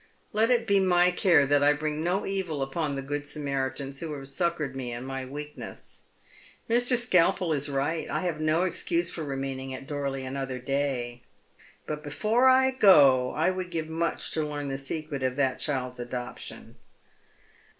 Let it be my care that I bring no evil upon the good Samaritans who have succoured me in my weakness. Mr. Skalpel is right, I have no excuse for remaining at Dorloy another day. But before I go I would give much to learn the secret of that child's adoption."